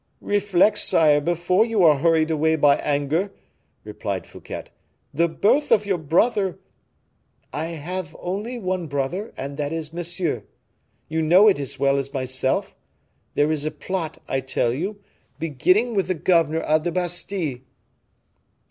"Reflect, sire, before you are hurried away by anger," replied Fouquet. "The birth of your brother " "I have only one brother and that is Monsieur. You know it as well as myself. There is a plot, I tell you, beginning with the governor of the Bastile."